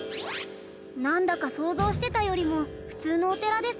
なんだか想像してたよりも普通のお寺ですね。